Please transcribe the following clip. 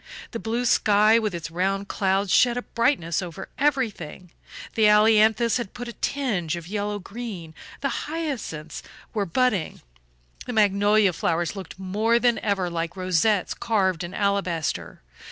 The blue sky with its round clouds shed a brightness over everything; the ailanthus had put on a tinge of yellow green, the hyacinths were budding, the magnolia flowers looked more than ever like rosettes carved in alabaster.